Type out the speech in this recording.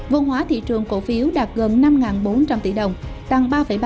vùng hóa thị trường cổ phiếu đạt gần năm triệu đô la mỹ